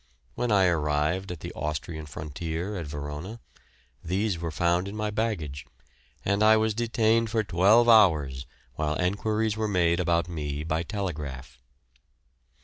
When I arrived at the Austrian frontier at Verona, these were found in my baggage, and I was detained for twelve hours while enquiries were made about me by telegraph.